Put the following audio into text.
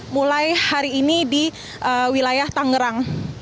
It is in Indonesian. mulai hari ini di wilayah tangerang